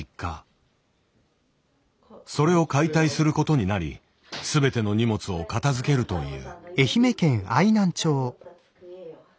それを解体することになり全ての荷物を片づけるという。